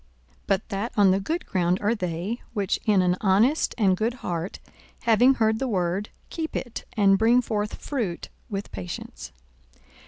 42:008:015 But that on the good ground are they, which in an honest and good heart, having heard the word, keep it, and bring forth fruit with patience.